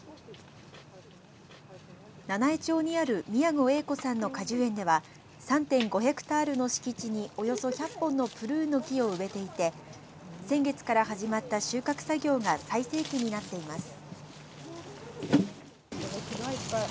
七飯町にある宮後英子さんの果樹園では３．５ヘクタールの敷地におよそ１００本のプルーンの木を植えていて先月から始まった収穫作業が最盛期になっています。